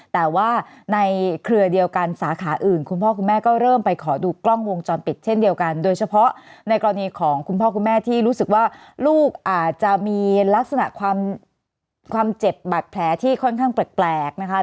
แต่ว่าในเครือเดียวกันสาขาอื่นคุณพ่อคุณแม่ก็เริ่มไปขอดูกล้องวงจรปิดเช่นเดียวกันโดยเฉพาะในกรณีของคุณพ่อคุณแม่ที่รู้สึกว่าลูกอาจจะมีลักษณะความเจ็บบัตรแผลที่ค่อนข้างแปลกนะคะ